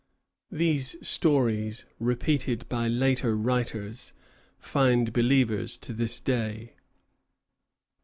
These stories, repeated by later writers, find believers to this day.